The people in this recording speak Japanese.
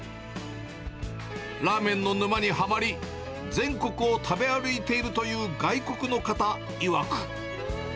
ラーメンの沼にはまり、全国を食べ歩いているという外国の方いわく。